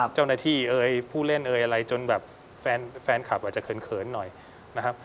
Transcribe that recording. เจ้าหน้าที่เอ่ยผู้เล่นเอยอะไรจนแบบแฟนคลับอาจจะเขินหน่อยนะครับ